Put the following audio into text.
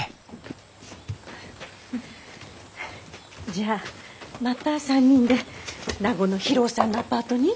じゃあまた３人で名護の博夫さんのアパートに？